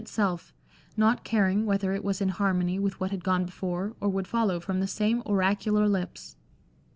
XV itself, not caring whether it was in harmony with what had gone before, or would follow from the same oracular lips."